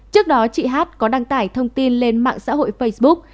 trước đó chị hát có đăng tải thông tin lên mạng xã hội facebook